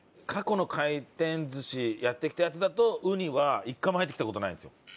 過去の回転寿司やってきたやつだと雲丹は一回も入ってきた事ないんですよ。